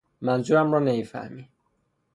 منظورم را نمی فهمی.